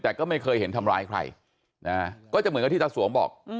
แต่ก็ไม่เคยเห็นทำร้ายใครนะก็จะเหมือนกับที่ตาสวงบอก